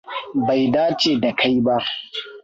Bai dace da kai ba.